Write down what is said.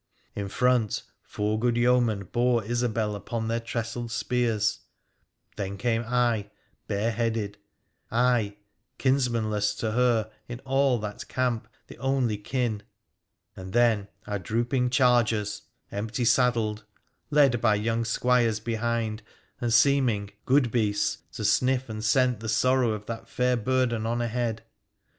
In front four good yeomen bore Isobel upon their trestled spears; then came I, bareheaded — I, kinsmanless, to her in all that camp the only kin ; and then our drooping chargers, empty saddled, led by young squires behind, and seeming — good beasts !— to sniff and scent the sorrow of that fair burden on ahead.